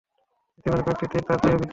ইতোমধ্যে কয়েকটি তীর তার দেহে বিদ্ধ হয়।